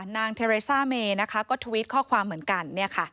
นางเทเรซ่าเมนะคะก็ทวิตข้อความเหมือนกัน